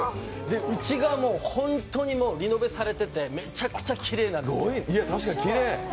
内側もホントにリノベされててめちゃくちゃきれいなんです。